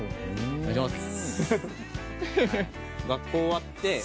お願いします。